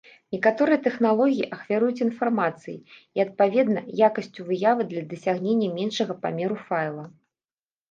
Некаторыя тэхналогіі ахвяруюць інфармацыяй і, адпаведна, якасцю выявы для дасягнення меншага памеру файла.